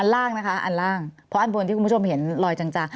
ล่างนะคะอันล่างเพราะอันบนที่คุณผู้ชมเห็นลอยจัง